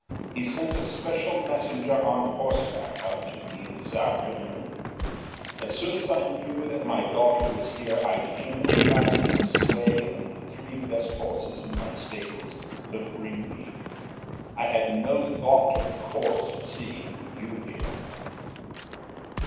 He sent a special messenger on horseback out to me this afternoon. As soon as I knew that my daughter was here I came as fast as a sleigh and the three best horses in my stables could bring me. I had no thought, of course, of seeing you here."